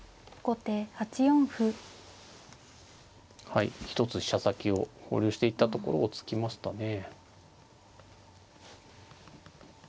はい一つ飛車先を保留していたところを突きましたね。